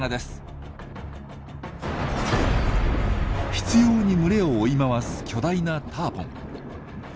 執拗に群れを追い回す巨大なターポン。